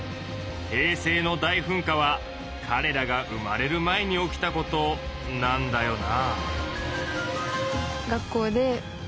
平成の大噴火はかれらが生まれる前に起きたことなんだよな。